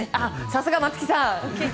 さすが松木さん！